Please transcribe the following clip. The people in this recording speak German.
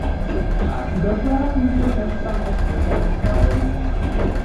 Tagsüber schlafen sie in Nestern aus Blättern und Zweigen.